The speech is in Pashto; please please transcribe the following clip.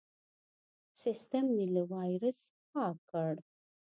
سیستم مې له وایرس پاک کړ.